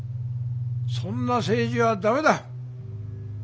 そんな政治は駄目だ。